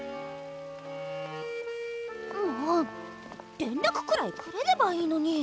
もう連らくくらいくれればいいのに！